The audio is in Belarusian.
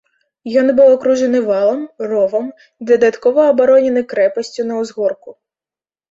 Ён быў акружаны валам, ровам, дадаткова абаронены крэпасцю на ўзгорку.